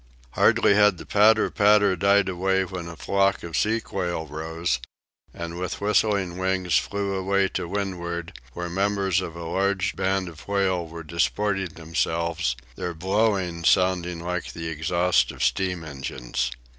Hardly had the patter, patter died away when a flock of sea quail rose, and with whistling wings flew away to windward, where members of a large band of whales were disporting themselves, their blowings sounding like the exhaust of steam engines.